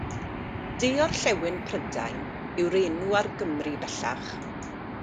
De Orllewin Prydain yw'r enw ar Gymru bellach.